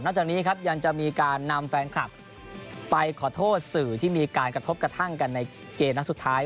จากนี้ครับยังจะมีการนำแฟนคลับไปขอโทษสื่อที่มีการกระทบกระทั่งกันในเกมนัดสุดท้าย